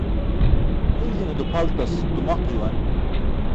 Iljine dupʰaltas tumaq juwan.